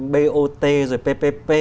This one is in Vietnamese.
bot rồi ppp